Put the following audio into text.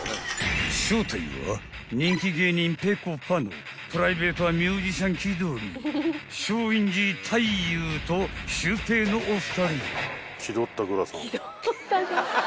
［正体は人気芸人ぺこぱのプライベートはミュージシャン気取り松陰寺太勇とシュウペイのお二人］